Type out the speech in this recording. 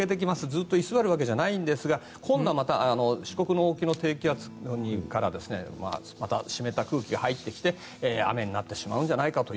ずっと居座るわけじゃないですが今度はまた四国沖の低気圧からまた湿った空気が入ってきて雨になってしまうと。